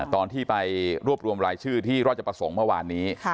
ตอนที่ไปรวบรวมรายชื่อที่ราชประสงค์เมื่อวานนี้